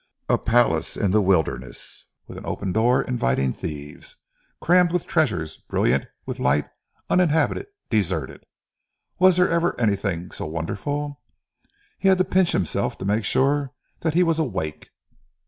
A palace in the wilderness, with an open door inviting thieves! Crammed with treasures, brilliant with light, uninhabited, deserted. Was there ever anything so wonderful? He had to pinch himself to make sure that he was awake.